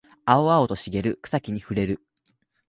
青々と茂る草木に触れる